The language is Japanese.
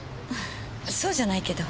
そうじゃないけど。